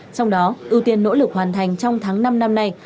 trong đó ưu tiên nỗ lực hoàn thành trong tháng năm năm nay